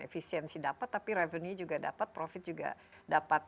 efisiensi dapat tapi revenue juga dapat profit juga dapat